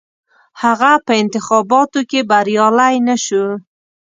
هغه په انتخاباتو کې بریالی نه شو.